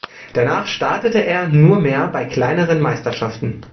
Danach startete er nur mehr bei kleineren Meisterschaften.